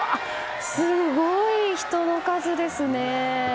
すごい人の数ですね。